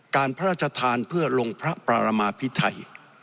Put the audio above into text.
พระราชทานเพื่อลงพระปรามาพิไทย